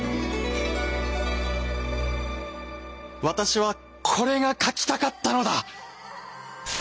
私はこれが描きたかったのだ！